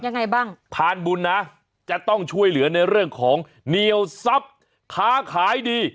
ยังไงบ้างพานบุญนะจะต้องช่วยเหลือในเรื่องของเหนียวทรัพย์ค้าขายดี